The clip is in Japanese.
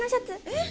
えっ！？